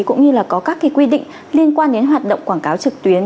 cũng như là có các quy định liên quan đến hoạt động quảng cáo trực tuyến